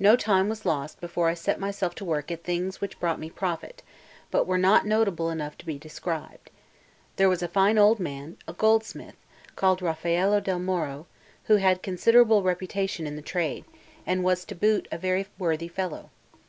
No time was lost before I set myself to work at things which brought me profit, but were not notable enough to be described. There was a fine old man, a goldsmith, called Raffaello del Moro, who had considerable reputation in the trade, and was to boot a very worthy fellow.